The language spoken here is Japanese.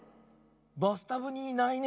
バスタブにいないね。